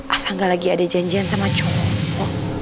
asal enggak lagi ada janjian sama cowok